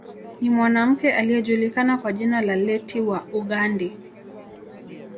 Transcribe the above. Ni mwanamke aliyejulikana kwa jina la Leti wa Ughandi